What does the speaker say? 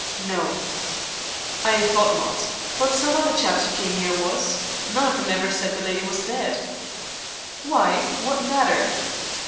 "No." "I thought not. But some other chaps who kem 'ere was. None of 'em ever said the lydy was dead." "Why; what matter?"